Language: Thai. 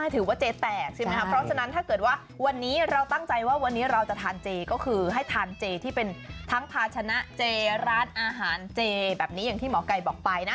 ถือว่าเจแตกใช่ไหมครับเพราะฉะนั้นถ้าเกิดว่าวันนี้เราตั้งใจว่าวันนี้เราจะทานเจก็คือให้ทานเจที่เป็นทั้งภาชนะเจร้านอาหารเจแบบนี้อย่างที่หมอไก่บอกไปนะ